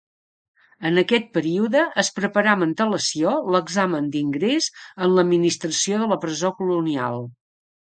En aquest període es preparà amb antelació l'examen d'ingrés en l'administració de la presó colonial.